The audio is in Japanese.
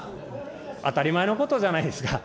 当たり前のことじゃないですか。